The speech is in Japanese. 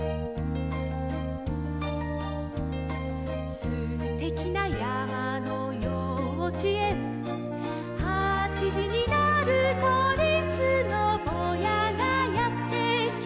「すてきなやまのようちえん」「はちじになると」「リスのぼうやがやってきます」